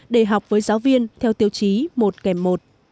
để học với giáo viên theo tiêu chí một kèm một